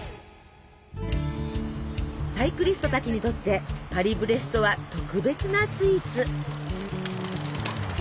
サイクリストたちにとってパリブレストは特別なスイーツ。